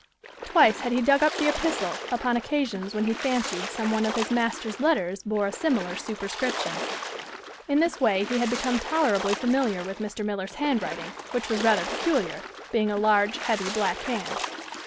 Twice had he dug up the epistle upon occasions when he fancied some one of his master's letters bore a similar superscription. In this way he had become tolerably familiar with Mr. Miller's handwriting, which was rather peculiar, being a large, heavy, black hand.